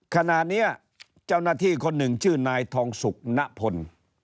ขณะนี้เจ้าหน้าที่คนหนึ่งชื่อนายทองสุกณพล